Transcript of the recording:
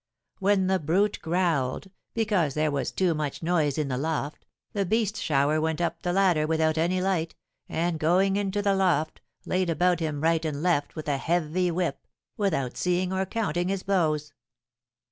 When the brute growled, because there was too much noise in the loft, the beast shower went up the ladder without any light, and, going into the loft, laid about him right and left with a heavy whip, without seeing or counting his blows.